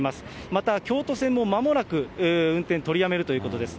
また京都線もまもなく運転取りやめるということです。